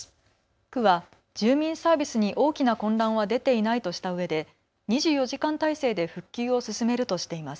区は住民サービスに大きな混乱は出ていないとしたうえで２４時間態勢で復旧を進めるとしています。